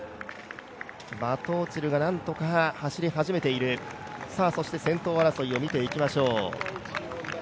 バトオチルがなんとか走り始めている、そして先頭争いを見ていきましょう。